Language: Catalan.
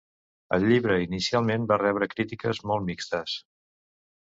El llibre inicialment va rebre crítiques molt mixtes.